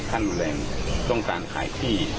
ท่านในวะเลงต้องการขายที่